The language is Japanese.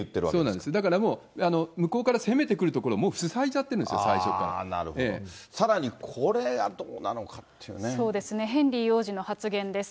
そうなんです、だからもう、向こうから攻めてくるところをもう塞いじゃってるんですよ、最初さらにこれはどうなのかってそうですね、ヘンリー王子の発言です。